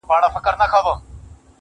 o خداى دي ساته له بــېـلــتــــونـــــه.